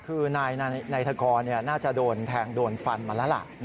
คือนายธกรน่าจะโดนแทงโดนฟันมาแล้วล่ะ